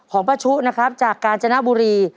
ของป้าชู้นะครับจากการจนบุรี